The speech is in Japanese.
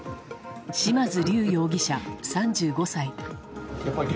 嶋津龍容疑者、３５歳。